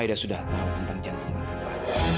aida sudah tahu tentang jantungmu itu pak